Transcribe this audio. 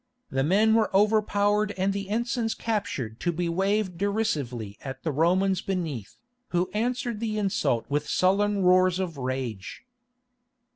The men were overpowered and the ensigns captured to be waved derisively at the Romans beneath, who answered the insult with sullen roars of rage.